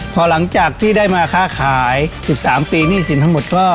พอหลังจากที่ได้มาค้าขาย๑๓ปีหนี้สินทั้งหมดก็